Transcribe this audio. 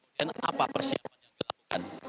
dan apa persiapan yang dilakukan